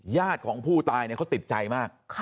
ญาติของผู้ตายเขาติดใจมาก